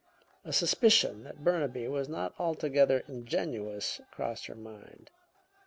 A suspicion that Burnaby was not altogether ingenuous crossed her mind.